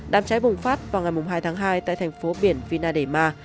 đám trái bùng phát vào ngày hai tháng hai tại thành phố biển vina de mar